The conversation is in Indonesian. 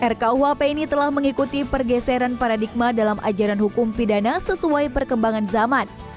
rkuhp ini telah mengikuti pergeseran paradigma dalam ajaran hukum pidana sesuai perkembangan zaman